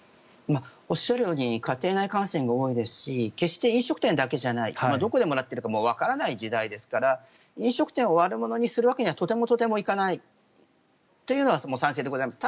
おっしゃるように家庭内感染が多いですし決して飲食店だけじゃないどこでもらっているかわからない時代ですから飲食店を悪者にするわけにはとてもとてもいかないというのは賛成でございます。